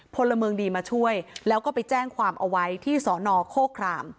พลเมืองดีมาช่วยแล้วก็ไปแจ้งความเอาไว้ที่สอนอโคคราม